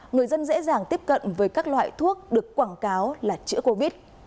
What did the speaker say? người dân dễ dàng tiếp cận với các loại thuốc được quảng cáo là chữa covid